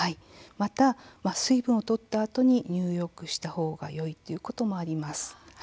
また水分をとったあとに入浴をしたほうがいいということもあります。